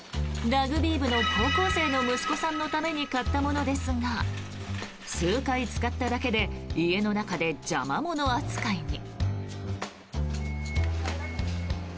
ラグビー部の高校生の息子さんのために買ったものですが数回使っただけで家の中で邪魔者扱いに。